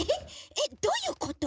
えっどういうこと？